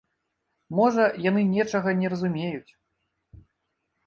Можа, яны нечага не разумеюць.